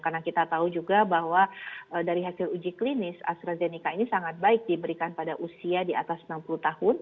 karena kita tahu juga bahwa dari hasil uji klinis astrazeneca ini sangat baik diberikan pada usia di atas enam puluh tahun